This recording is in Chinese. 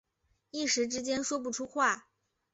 一时之间说不出话